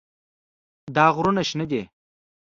دا غرونه شنه دي.